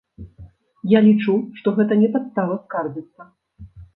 Я лічу, што гэта не падстава скардзіцца.